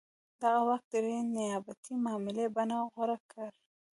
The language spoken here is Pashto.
دغه واک د یوې نیابتي معاملې بڼه غوره کړې.